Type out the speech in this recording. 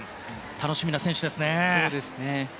楽しみな選手ですね。